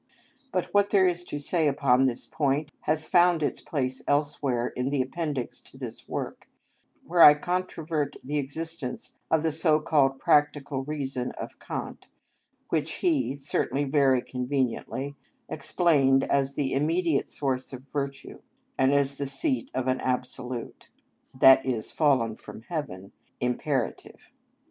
But what there is to say upon this point has found its place elsewhere in the appendix to this work, where I controvert the existence of the so called practical reason of Kant, which he (certainly very conveniently) explained as the immediate source of virtue, and as the seat of an absolute (i.e., fallen from heaven) imperative.